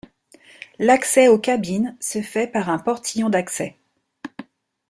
L'accès aux cabines se fait par un portillon d'accès.